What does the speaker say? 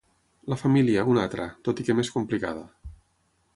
La família, una altra, tot i que més complicada.